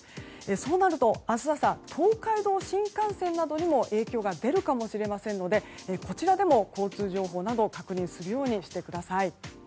そうなると明日朝東海道新幹線などにも影響が出るかもしれませんのでこちらでも交通情報などを確認するようにしてください。